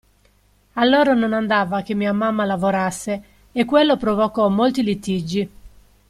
A loro non andava che mia mamma lavorasse e quello provocò molti litigi.